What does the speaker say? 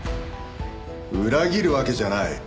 裏切るわけじゃない。